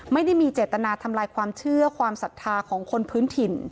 ไม่ได้มีเจตนาทำลายความเชื่อความศรัทธาของคนพื้นถิ่น